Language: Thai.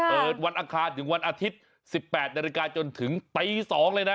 เปิดวันอาคารถึงวันอาทิตย์๑๘นจนถึงปี๒เลยนะ